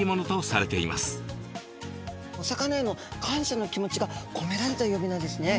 お魚への感謝の気持ちが込められた呼び名ですね。